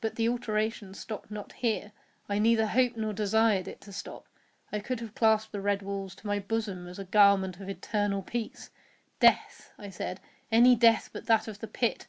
But the alteration stopped not here—I neither hoped nor desired it to stop. I could have clasped the red walls to my bosom as a garment of eternal peace. "Death," I said, "any death but that of the pit!"